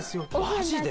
マジで？